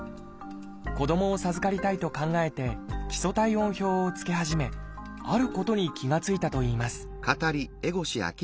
子どもを授かりたいと考えて基礎体温表をつけ始めあることに気が付いたといいます